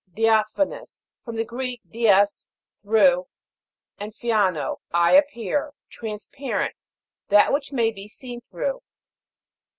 DIA'PHANOUS. From the Greek, did, through, and phaino, 1 appear. Transparent ; that which may be seen through.